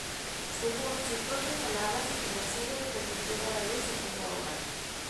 Según sus propias palabras, el exilio le permitió dar a luz aquella obra.